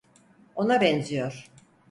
Ona benziyor.